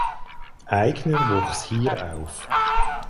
Eigner wuchs hier auf.